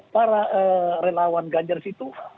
para relawan ganjaris itu